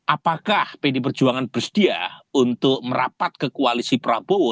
apakah pd perjuangan bersedia untuk merapat ke koalisi prabowo